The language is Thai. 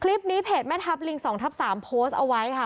คลิปนี้เพจแม่ทับลิงสองทับสามโพสต์เอาไว้ค่ะ